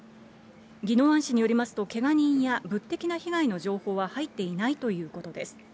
宜野湾市によりますと、けが人や物的な被害の情報は入っていないということです。